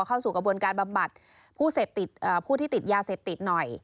เข้าสู่กระบวนการบำบัดผู้ที่ติดยาเสียบติดหน่อย